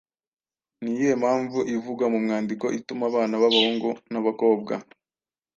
Ni iyihe mpamvu ivugwa mu mwandiko ituma abana b’abahungu n’abakobwa